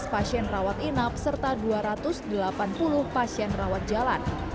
tujuh belas pasien rawat inap serta dua ratus delapan puluh pasien rawat jalan